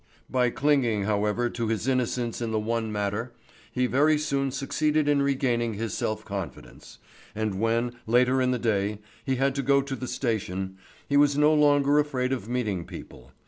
By clinging, however, to his innocence in the one matter, he very soon succeeded in regaining his self confidence; and when, later in the day, he had to go to the station, he was no longer afraid of meeting people.